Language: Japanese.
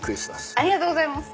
ありがとうございます。